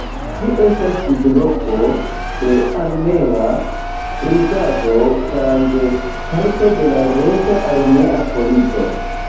Ĝi estas sidloko de armea brigado kaj de parto de la reĝa armea polico.